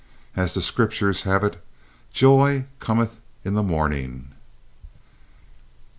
As the Scriptures have it, joy cometh in the mourning.